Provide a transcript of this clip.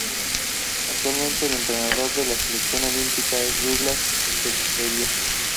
Actualmente el entrenador de la Selección Olímpica es Douglas Sequeira.